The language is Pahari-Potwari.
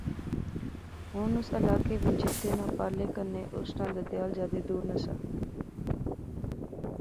ہن او اس علاقہ وچ جتھیں ناں پارلے کنڈے اس ناں دادھیال جادے دور نہسا